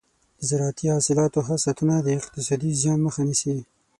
د زراعتي حاصلاتو ښه ساتنه د اقتصادي زیان مخه نیسي.